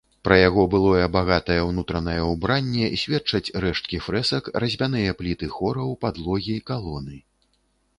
Пра яго былое багатае ўнутранае ўбранне сведчаць рэшткі фрэсак, разьбяныя пліты хораў, падлогі, калоны.